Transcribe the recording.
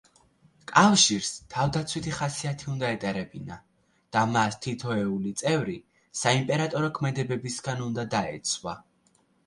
კავშირს თავდაცვითი ხასიათი უნდა ეტარებინა და მას თითოეული წევრი საიმპერატორო ქმედებებისგან უნდა დაეცვა.